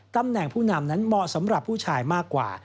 ตำแหน่งผู้นำนั้นเหมาะสำหรับผู้ชายมากกว่า